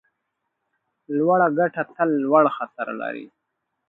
لوړه ګټه تل لوړ خطر لري.